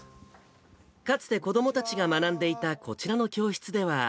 かつて子どもたちが学んでいたこちらの教室では。